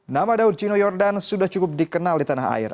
nama daud chino yordan sudah cukup dikenal di tanah air